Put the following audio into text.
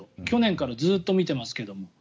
去年からずっと見ていますが。